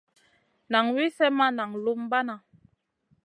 Nan wi slèh ma naŋ lumbana.